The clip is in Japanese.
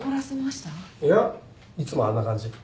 いやいつもあんな感じ。